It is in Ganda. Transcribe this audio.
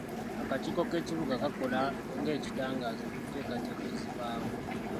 Akakiiko k'ekibuga kakola nga ekitangaaza mu nteekateeka ezibaawo.